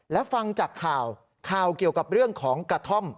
และฟังจากข่าวข่าวเกี่ยวกับเรื่องของกระท่อม